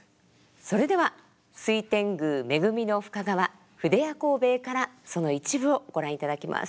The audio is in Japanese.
それでは「水天宮利生深川」「筆屋幸兵衛」からその一部をご覧いただきます。